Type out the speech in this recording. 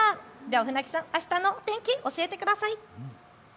船木さん、あしたの天気教えてください。